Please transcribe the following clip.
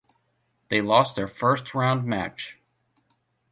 They lost their first round match.